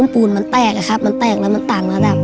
พุนมันแตกมันแตกและมันต่างและ